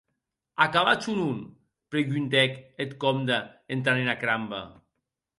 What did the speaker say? Acabatz o non?, preguntèc eth comde entrant ena cramba.